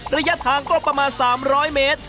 ระยะทางก็ประมาณ๓๐๐เมตร